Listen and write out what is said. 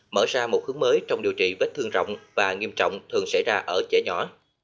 mở ra một hướng mới trong điều trị vết thương rộng và nghiêm trọng thường xảy ra ở trẻ nhỏ